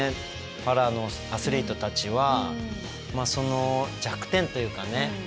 パラのアスリートたちはその弱点というかね